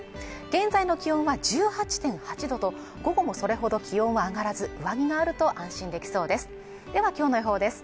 現在の気温は１８．８度と午後もそれほど気温は上がらず上着があると安心できそうですではきょうの予報です